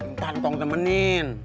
ntar kong temenin